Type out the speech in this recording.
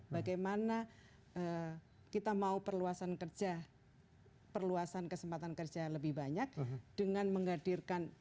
bagaimana kita mau perluasan kerja perluasan kesempatan kerja lebih banyak dengan menghadirkan